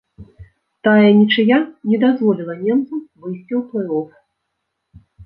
Тая нічыя не дазволіла немцам выйсці ў плэй-оф.